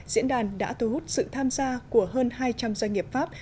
diễn đàn đã thu hút sự tham gia của hơn hai trăm linh doanh nghiệp pháp